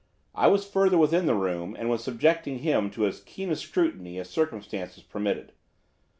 I was further within the room, and was subjecting him to as keen a scrutiny as circumstances permitted.